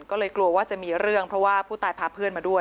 ก็เลยกลัวว่าจะมีเรื่องเพราะว่าผู้ตายพาเพื่อนมาด้วย